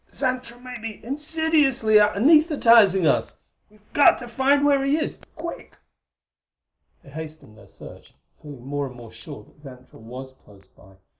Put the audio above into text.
Xantra may be insidiously anaesthetizing us! We've got to find where he is quick!" They hastened their search, feeling more and more sure that Xantra was close by.